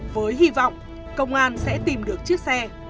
với hy vọng công an sẽ tìm được chiếc xe